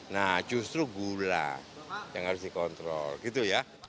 nah justru gula yang harus dikontrol gitu ya